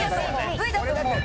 Ｖだと思う。